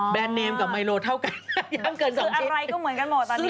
อ๋อแบรนด์เนมกับไมโลเท่ากันยังเกิน๒ชิ้นคืออะไรก็เหมือนกันหมดตอนนี้